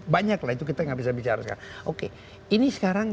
banyaklah itu kita gak bisa bicara sekarang